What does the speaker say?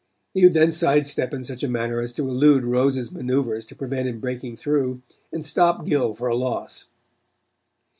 He would then sidestep in such a manner as to elude Rhodes's manoeuvres to prevent him breaking through, and stop Gill for a loss.